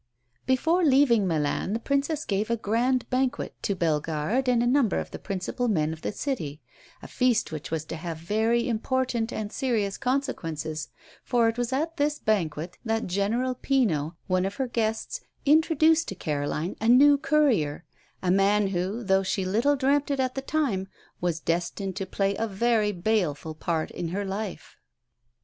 Before leaving Milan the Princess gave a grand banquet to Bellegarde and a number of the principal men of the city a feast which was to have very important and serious consequences, for it was at this banquet that General Pino, one of her guests, introduced to Caroline a new courier, a man who, though she little dreamt it at the time, was destined to play a very baleful part in her life.